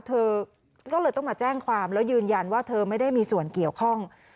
เธอก็เลยต้องมาแจ้งความแล้วยืนยันว่าเธอไม่ได้มีส่วนเกี่ยวข้อง